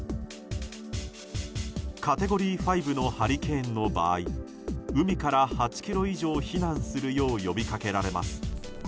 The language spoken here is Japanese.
カテゴリー５のハリケーンの場合海から８ｋｍ以上避難するよう呼びかけられます。